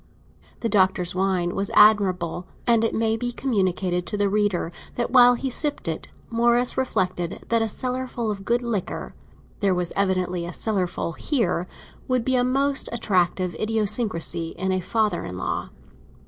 The Doctor's wine was admirable, and it may be communicated to the reader that while he sipped it Morris reflected that a cellar full of good liquor—there was evidently a cellar full here—would be a most attractive idiosyncrasy in a father in law.